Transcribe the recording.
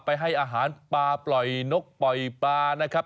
ให้อาหารปลาปล่อยนกปล่อยปลานะครับ